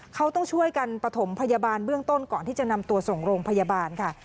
เขาต้องช่วยกันประถมพยาบาลเบื้องต้นก่อนที่จะนำตัวส่งโรงพยาบาลค่ะ